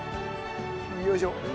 よいしょ！